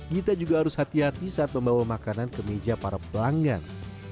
gita juga harus hati hati saat membawa makanan ke meja para pelanggan